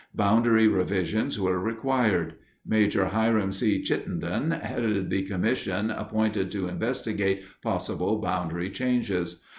Boundary revisions were required. Major Hiram M. Chittenden headed the commission appointed to investigate possible boundary changes.